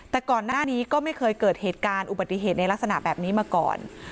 แต่ก่อนหน้านี้ก็ไม่เคยเกิดเหตุการณ์อุบัติเหตุในลักษณะแบบนี้มาก่อน